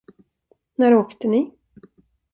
När åkte ni?